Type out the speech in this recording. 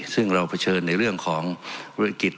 ซึ่งเราเผชิญในเรื่องของวิกฤต